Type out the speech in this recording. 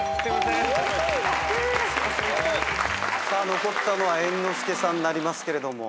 残ったのは猿之助さんなりますけれども。